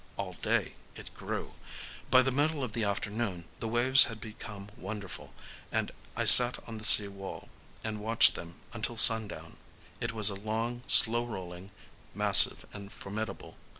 All day it grew. By the middle of the afternoon, the waves had become wonderful; and I sat on the sea wall, and watched them until sundown. It was a long slow rolling,—massive and formidable.